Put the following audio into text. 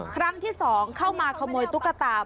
ครั้งที่๒เข้ามาขโมยตุ๊กตา